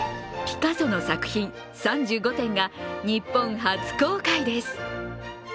ピカソの作品３５点が日本初公開です。